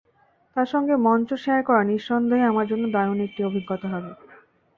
তাঁর সঙ্গে মঞ্চ শেয়ার করা নিঃসন্দেহে আমার জন্য দারুণ একটি অভিজ্ঞতা হবে।